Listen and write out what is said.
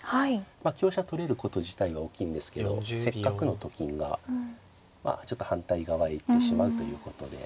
香車取れること自体は大きいんですけどせっかくのと金がまあちょっと反対側へ行ってしまうということで。